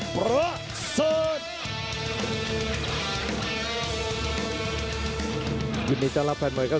สวัสดีทุกคนสวัสดีทุกคนทุกเพื่อนทุกคน